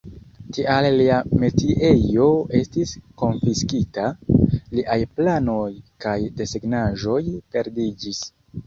Tial lia metiejo estis konfiskita; liaj planoj kaj desegnaĵoj perdiĝis.